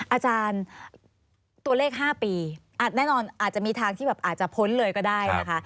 อาจารย์ตัวเลข๕ปีแน่นอนอาจจะมีทางที่แบบอาจจะพ้นเลยก็ได้นะคะ